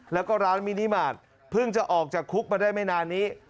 แล้วก็ร้านมินิมาตรเพิ่งจะออกจากคุกมาได้ไม่นานนี้